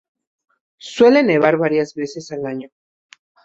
Suele nevar varias veces al año.